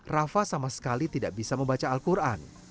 rafa sama sekali tidak bisa membaca al quran